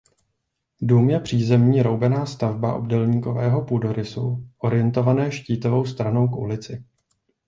Dům je přízemní roubená stavba obdélníkového půdorysu orientované štítovou stranou k ulici.